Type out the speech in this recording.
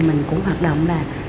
mình cũng hoạt động là